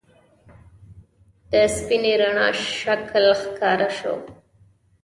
د سپینې رڼا شکل ښکاره شو.